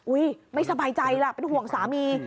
ไม่สบายใจล่ะเป็นห่วงสามี